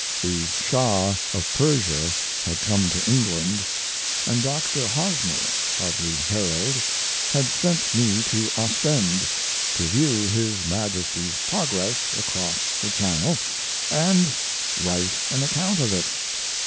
The Shah of Persia had come to England and Dr. Hosmer, of the Herald, had sent me to Ostend, to view his Majesty's progress across the Channel and write an account of it.